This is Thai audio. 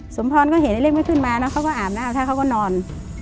สมพรก็เห็นไอ้เล็กไม่ขึ้นมานะเขาก็อาบหน้าถ้าเขาก็นอน